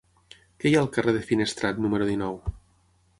Què hi ha al carrer de Finestrat número dinou?